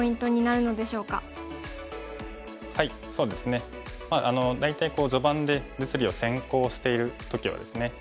そうですね大体序盤で実利を先行している時はですね